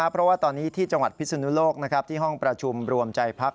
เพราะว่าตอนนี้ที่จังหวัดพิศนุโลกที่ห้องประชุมรวมใจพัก